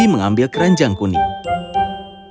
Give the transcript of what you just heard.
chloe mengambil keranjang biru dan zoe mengambil keranjang kuning